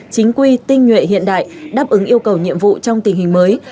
chính quy tinh nhuệ hiện đại đáp ứng yêu cầu nhiệm vụ trong tình hình mới